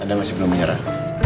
anda masih belum menyerah